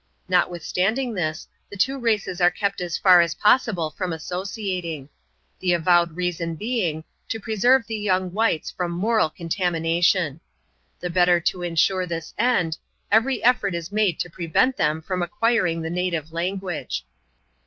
Notwithstanding this, the two races are kept as far as possible from associating; the avowed reason being, to preserve the young whites from moral contamination. The better to insure this end, every effort is made to prevent them from acquiring the native language.